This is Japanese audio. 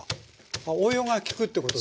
あ応用が利くってことですね